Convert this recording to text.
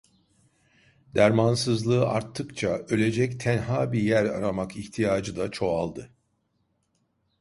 Dermansızlığı arttıkça, ölecek tenha bir yer aramak İhtiyacı da çoğaldı.